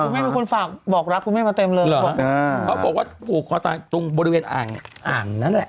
คุณแม่คุณฝากบอกรักคุณแม่มาเต็มเลยเขาบอกว่าภูกคอตายตรงบริเวณอ่างอ่างนั้นแหละ